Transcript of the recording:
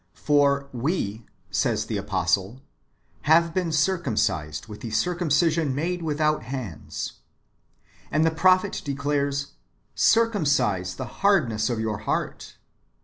For " we," says the apostle, " have been circumcised with the circumcision made without hands." ^ And the prophet de clares, " Circumcise the hardness of your heart."